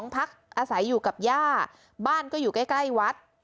พักอาศัยอยู่กับย่าบ้านก็อยู่ใกล้วัด